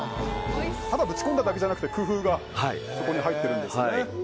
ただぶち込んだだけじゃなくて工夫が入ってるんですね。